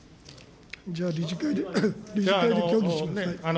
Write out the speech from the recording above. じゃあ、理事会で協議しますね。